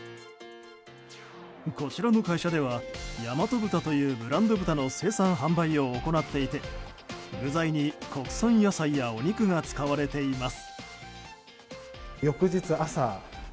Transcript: こちらの会社ではやまと豚というブランド豚の生産・販売を行っていて具材に国産野菜やお肉が使われています。